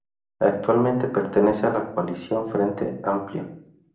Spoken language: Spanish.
Actualmente pertenece a la coalición Frente Amplio.